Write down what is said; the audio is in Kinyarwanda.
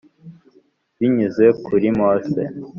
binyuze kuri Mose